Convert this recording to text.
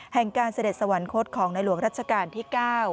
การเสด็จสวรรคตของในหลวงรัชกาลที่๙